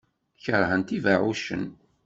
Keṛhent ibeɛɛucen.